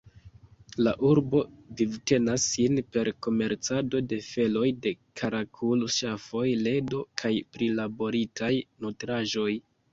La urbo vivtenas sin per komercado de feloj de karakul-ŝafoj, ledo kaj prilaboritaj nutraĵoj.